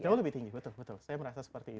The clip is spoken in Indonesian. jauh lebih tinggi betul betul saya merasa seperti ini